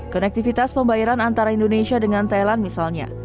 konektivitas pembayaran antara indonesia dengan thailand misalnya